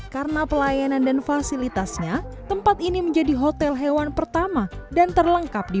karena pelayanan dan fasilitasnya tempat ini menjadi hotel hewan pertama dan terlengkap di